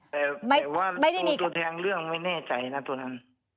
แต่ไม่ได้มีแต่ว่าตัวแทงเรื่องไม่แน่ใจนะตัวนั้น